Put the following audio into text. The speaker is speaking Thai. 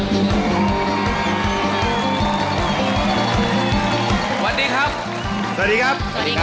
สวัสดีครับ